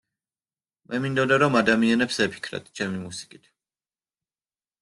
მე მინდოდა რომ ადამიანებს ეფიქრათ ჩემი მუსიკით.